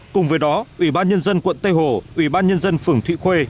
cùng với đó ủy ban nhân dân quận tây hồ ủy ban nhân dân phường thụy khuê